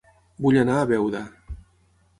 Vull anar a Beuda